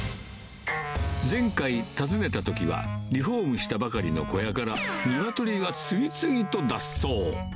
前回訪ねたときは、リフォームしたばかりの小屋から、ニワトリが次々と脱走。